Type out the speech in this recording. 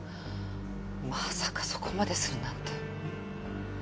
まさかそこまでするなんて。